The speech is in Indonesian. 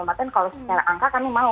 makanya kalau secara angka kami mau